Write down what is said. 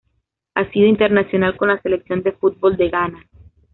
Ha sido internacional con la selección de fútbol de Ghana.